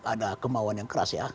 ada kemauan yang keras ya